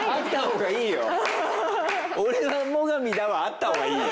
「俺はモガミだ」はあった方がいいよ！